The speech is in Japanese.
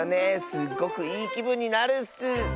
すっごくいいきぶんになるッス。